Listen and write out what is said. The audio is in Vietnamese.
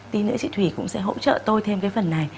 tin nữa chị thủy cũng sẽ hỗ trợ tôi thêm cái phần này